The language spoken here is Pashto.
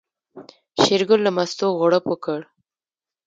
شېرګل له مستو غوړپ وکړ.